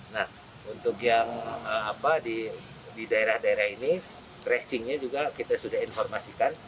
nah untuk yang di daerah daerah ini tracingnya juga kita sudah informasikan